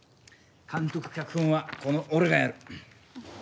監督脚本はこの俺がやる。